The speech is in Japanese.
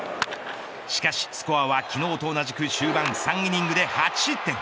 しかし、スコアは昨日と同じく終盤３イニングで８失点。